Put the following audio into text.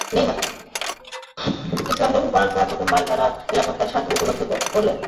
ইসলাম গ্রহণ করার পর প্রথমবার তারা নিরাপত্তার স্বাদ উপভোগ করলেন।